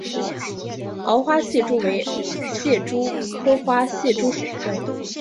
凹花蟹蛛为蟹蛛科花蟹蛛属的动物。